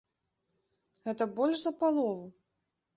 Гэта больш за палову!